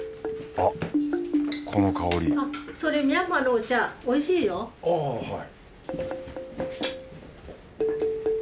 あぁはい。